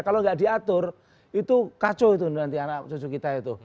kalau nggak diatur itu kacau itu nanti anak cucu kita itu